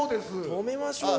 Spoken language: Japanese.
止めましょうよ。